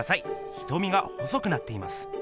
瞳が細くなっています。